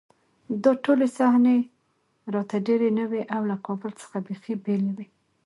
دا ټولې صحنې راته ډېرې نوې او له کابل څخه بېخي بېلې وې